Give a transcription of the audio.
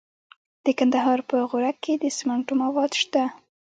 د کندهار په غورک کې د سمنټو مواد شته.